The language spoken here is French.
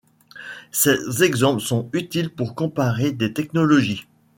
Ces exemples sont utiles pour comparer des technologies.